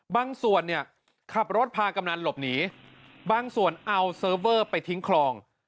บางส่วนเนี่ยขับรถพากำนันหลบหนีบางส่วนเอาเซิร์ฟเวอร์ไปทิ้งคลอง